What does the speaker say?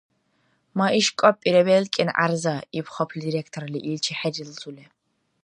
– Ма иш кӀапӀира, белкӀен гӀярза! – иб хапли директорли, иличи хӀерилзули.